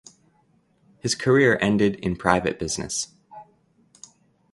His career ended in private business.